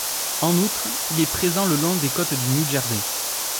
En outre, il est présent le long des côtes du New Jersey.